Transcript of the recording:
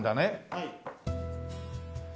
はい。